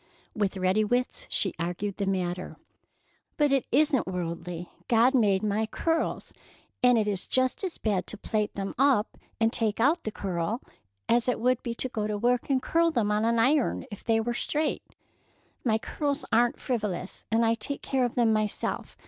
With ready wits she argued the matter: "But it isn't worldly. God made my curls, and it is just as bad to plait them up and take out the curl as it would be to go to work and curl them on an iron if they were straight. My curls are n't frivolous, and I take care of them myself.